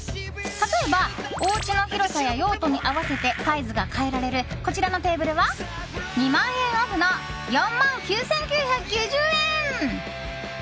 例えばおうちの広さや用途に合わせてサイズが変えられるこちらのテーブルは２万円オフの４万９９９０円。